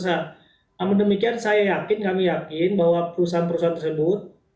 namun demikian saya yakin kami yakin bahwa perusahaan perusahaan tersebut